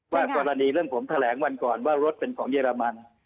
ว่ากรณีเรื่องผมแถลงวันก่อนว่ารถเป็นของเยอรมัน